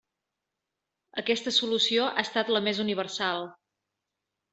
Aquesta solució ha estat la més universal.